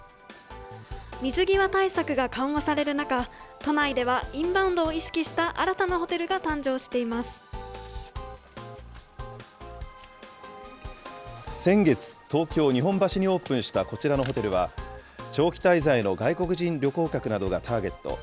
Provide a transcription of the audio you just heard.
水際対策が緩和される中、都内ではインバウンドを意識した新先月、東京・日本橋にオープンしたこちらのホテルは、長期滞在の外国人旅行客などがターゲット。